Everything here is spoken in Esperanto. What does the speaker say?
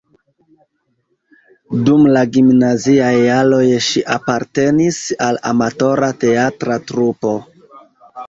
Dum la gimnaziaj jaroj ŝi apartenis al amatora teatra trupo.